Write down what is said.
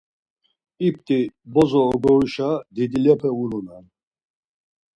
İpti bozo ogoruşa didilepe ulunan.